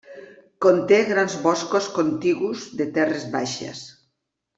Conté grans boscos contigus de terres baixes.